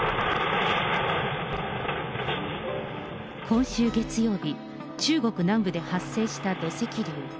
今週月曜日、中国南部で発生した土石流。